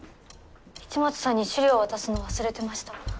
市松さんに資料渡すの忘れてました。